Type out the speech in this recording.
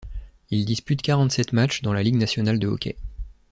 Il dispute quarante-sept matchs dans la Ligue nationale de hockey.